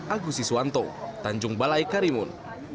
agusi suwanto tanjung balai karimun